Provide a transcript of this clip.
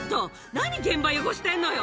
何現場汚してるのよ。